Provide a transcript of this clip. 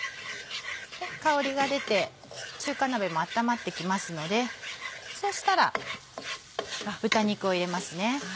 香りが出て中華鍋も温まって来ますのでそうしたら豚肉を入れますね。